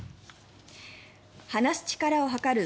話す力を測る